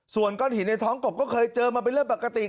ส่วนก้อนหินในท้องกบก็เคยเจอมาเป็นเรื่องปกติ